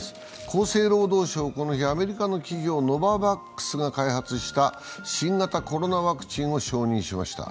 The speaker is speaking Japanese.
厚生労働省はこの日、アメリカの企業、ノババックスが開発した新型コロナワクチンを承認しました。